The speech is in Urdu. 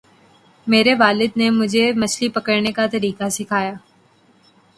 میرے والد نے مجھے مچھلی پکڑنے کا طریقہ سکھایا۔